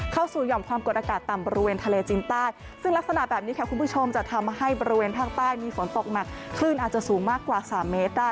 หย่อมความกดอากาศต่ำบริเวณทะเลจีนใต้ซึ่งลักษณะแบบนี้ค่ะคุณผู้ชมจะทำให้บริเวณภาคใต้มีฝนตกหนักคลื่นอาจจะสูงมากกว่าสามเมตรได้